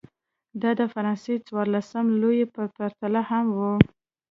دا د فرانسې څوارلسم لويي په پرتله هم و.